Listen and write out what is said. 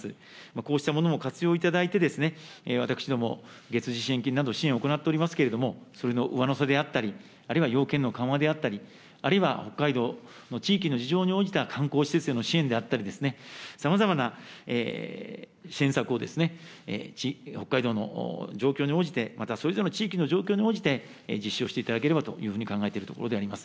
こうしたものも活用いただいて、私ども、月次しんきんなど、支援を行っておりますけれども、それの上乗せであったり、あるいは要件の緩和であったり、あるいは北海道の地域の事情に応じた観光施設への支援であったり、さまざまな支援策をですね、北海道の状況に応じて、またそれぞれの地域の状況に応じて、実施をしていただければというふうに考えているところであります。